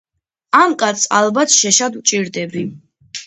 ამ კაცს ალბათ შეშად ვჭირდები.